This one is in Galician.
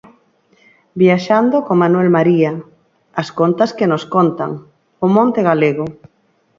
Viaxando con Manuel María; As contas que nos contan; O monte galego.